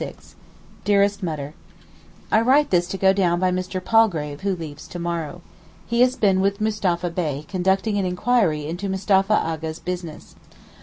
DEAREST MUTTER, I write this to go down by Mr. Palgrave who leaves to morrow. He has been with Mustapha Bey conducting an enquiry into Mustapha A'gha's business.